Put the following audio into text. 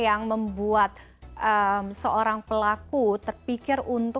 apa pak sardi sebenarnya